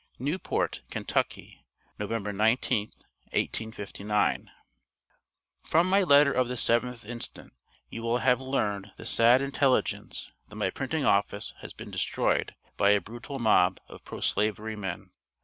"NEWPORT, KENTUCKY, Nov. 19th, 1859. "From my letter of the 7th inst. you will have learned the sad intelligence that my printing office has been destroyed by a brutal mob of Pro Slavery men.